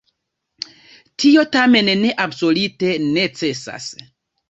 Tio tamen ne absolute necesas.